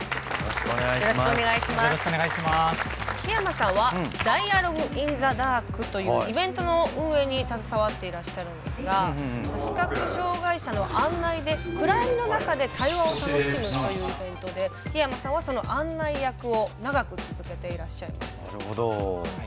檜山さんはダイアログ・イン・ザ・ダークというイベントの運営に携わっていらっしゃるんですが視覚障害者の案内で暗闇の中で対話を楽しむというイベントで檜山さんはその案内役を長く続けていらっしゃいます。